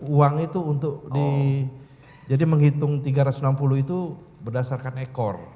uang itu untuk di jadi menghitung tiga ratus enam puluh itu berdasarkan ekor